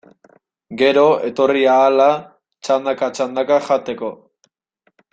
Gero, etorri ahala, txandaka-txandaka jateko.